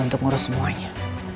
untuk ngurus semuanya